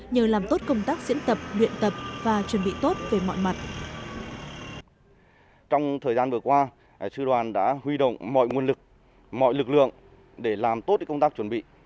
nhờ làm tốt công tác diễn tập luyện tập và chuẩn bị tốt về mọi mặt